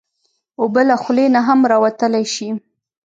اوبه له خولې نه هم راوتلی شي.